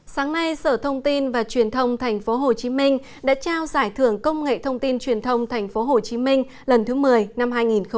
sáng nay sở thông tin và truyền thông tp hcm đã trao giải thưởng công nghệ thông tin truyền thông tp hcm lần thứ một mươi năm hai nghìn một mươi chín